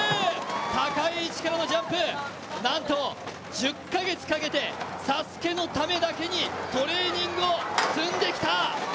高い位置からのジャンプ、なんと１０か月かけてＳＡＳＵＫＥのためだけにトレーニングを積んできた。